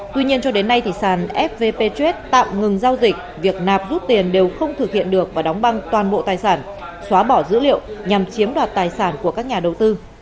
tuy nhiên cho đến nay sàn fvp trad tạm ngừng giao dịch việc nạp rút tiền đều không thực hiện được và đóng băng toàn bộ tài sản xóa bỏ dữ liệu nhằm chiếm đoạt tài sản của các nhà đầu tư